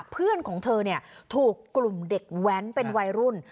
เพื่อนของเธอถูกกลุ่มเด็กแว้นเป็นวัยรุ่น